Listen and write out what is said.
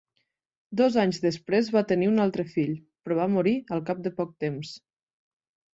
Dos anys després va tenir un altre fill, però va morir al cap de poc temps.